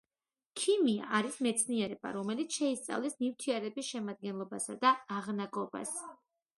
ქიმია არის მეცნიერება, რომელიც შეისწავლის ნივთიერების შემადგენლობასა და აღნაგობას